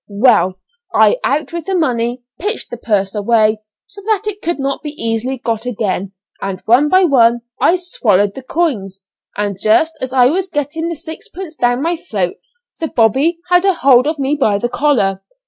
Well, I out with the money, pitched the purse away, so that it could not be easily got again; and, one by one, I swallowed the coins, and just as I was getting the sixpence down my throat the 'bobby' had a hold of me by the collar.